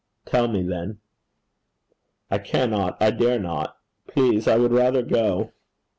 'Tell me, then.' 'I cannot. I dare not. Please I would rather go.'